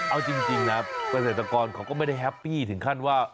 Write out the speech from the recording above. เอาจริงนะเกษตรกรเขาก็ไม่ได้แฮปปี้ถึงขั้นว่า